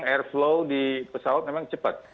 memang airflow di pesawat memang cepat